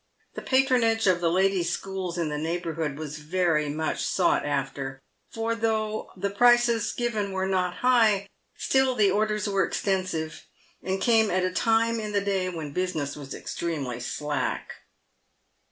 The patronage of the ladies' schools in the neighbourhood was very much sought after, for although the prices given were not high, still the orders were extensive, and came at a time in the day when business was ex tremely slack.